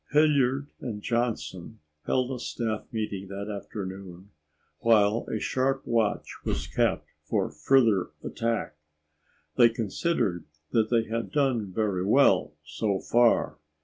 Hilliard and Johnson held a staff meeting that afternoon while a sharp watch was kept for further attack. They considered that they had done very well so far.